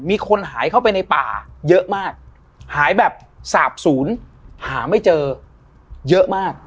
มีคนหายเข้าไปในป่าเยอะมากหายแบบสาบศูนย์หาไม่เจอเยอะมาก